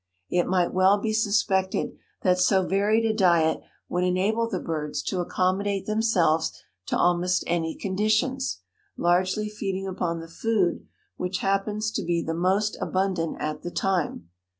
It might well be suspected that so varied a diet would enable the birds to accommodate themselves to almost any conditions, largely feeding upon the food which happens to be the most abundant at the time.